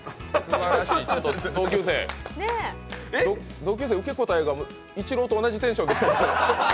同級生、受け答えがイチローと同じテンションでした。